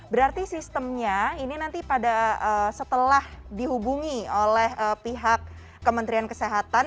berarti sistemnya ini nanti pada setelah dihubungi oleh pihak kementerian kesehatan